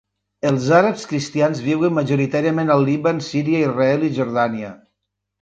Els àrabs cristians viuen majoritàriament al Líban, Síria, Israel i Jordània.